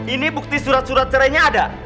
ini bukti surat surat cerainya ada